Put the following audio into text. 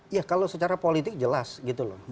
ya kalau secara politik jelas gitu loh